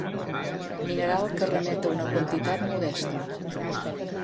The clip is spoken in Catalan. Mineral que remet a una quantitat modesta.